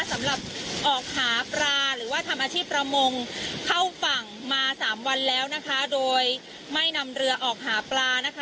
สำหรับออกหาปลาหรือว่าทำอาชีพประมงเข้าฝั่งมาสามวันแล้วนะคะโดยไม่นำเรือออกหาปลานะคะ